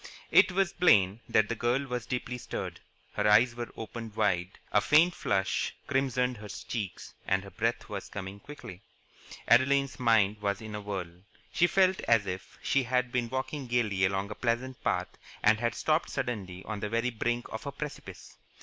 It was plain that the girl was deeply stirred. Her eyes were opened wide, a faint flush crimsoned her cheeks, and her breath was coming quickly. Adeline's mind was in a whirl. She felt as if she had been walking gaily along a pleasant path and had stopped suddenly on the very brink of a precipice.